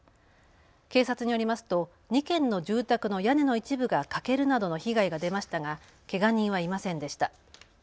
警察によりますと２軒の住宅の屋根の一部が欠けるなどの被害が出ましたがけが人はいませんでした。